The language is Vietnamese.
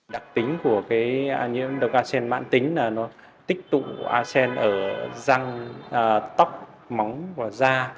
đặc tính của nhiễm độc a sen mạng tính là nó tích tụ a sen ở răng tóc móng và da